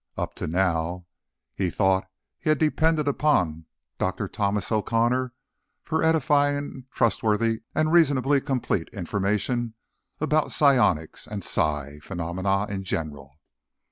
Up to now, he thought, he had depended on Dr. Thomas O'Connor for edifying, trustworthy and reasonably complete information about psionics and psi phenomena in general.